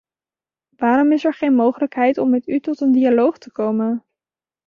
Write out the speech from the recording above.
Waarom is er geen mogelijkheid om met u tot een dialoog te komen?